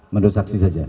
menurut saksi saja